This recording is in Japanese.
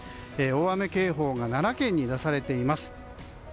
大雨警報が奈良県に出されています。